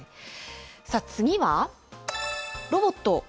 次は、ロボット。